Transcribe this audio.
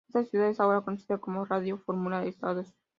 Esta unidad es ahora conocida como Radio Fórmula Estados.